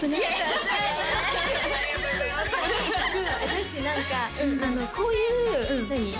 私何かこういう何？